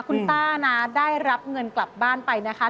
คุณป้านะได้รับเงินกลับบ้านไปนะคะ